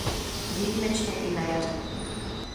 Výjimečně i na jaře.